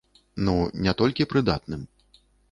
Ну, не толькі прыдатным.